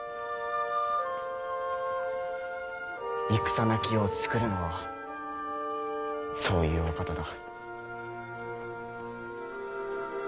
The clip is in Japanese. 戦なき世を作るのはそういうお方だ。